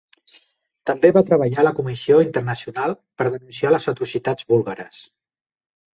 També va treballar a la Comissió Internacional per denunciar les atrocitats búlgares.